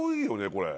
これ。